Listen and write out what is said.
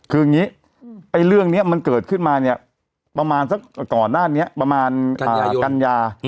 คืออย่างนี้เรื่องนี้มันเกิดขึ้นมาเนี่ยประมาณสักก่อนหน้านี้ประมาณกันยา